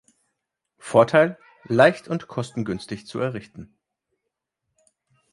Vorteil: leicht und kostengünstig zu errichten.